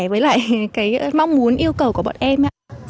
với lại mong muốn yêu cầu của bọn em